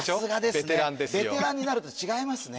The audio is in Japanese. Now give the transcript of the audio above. ベテランになると違いますね